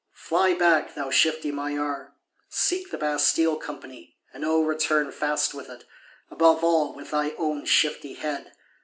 Fly back, thou shifty Maillard; seek the Bastille Company; and O return fast with it; above all, with thy own shifty head!